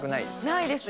ないです